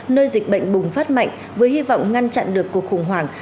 nơi dịch bệnh bùng phát mạnh với hy vọng ngăn chặn được cuộc khủng hoảng